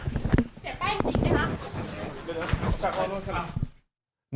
พี่บิ๊กได้ส่งกระเป๋าให้กับเสียแป้งบิ๊กไหมคะ